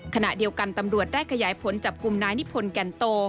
ขณะเดียวกันตำรวจได้ขยายผลจับกลุ่มนายนิพนธ์แก่นโต